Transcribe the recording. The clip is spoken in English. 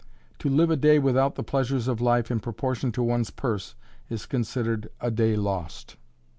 To live a day without the pleasures of life in proportion to one's purse is considered a day lost.